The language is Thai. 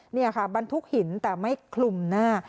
นี่ค่ะบรรทุกหินแต่ไม่คลุมหน้า